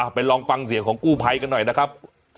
ไปลองฟังเสียงของกู้ภัยกันหน่อยนะครับ